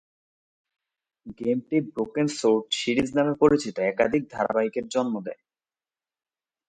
গেমটি "Broken Sword" series নামে পরিচিত একাধিক ধারাবাহিকের জন্ম দেয়।